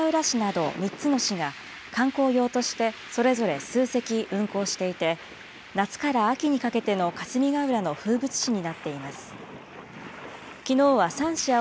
現在は霞ヶ浦周辺にあるかすみがうら市など３つの市が観光用としてそれぞれ数隻運航していて、夏から秋にかけての霞ヶ浦の風物詩になっています。